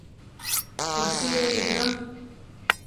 پر څیره یې ږدم